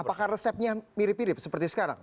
apakah resepnya mirip mirip seperti sekarang